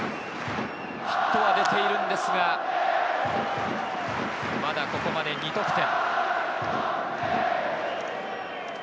ヒットは出ているんですが、まだここまで２得点。